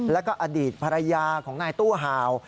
แล้วก็อดีตภรรยาของนายตู้ห่าว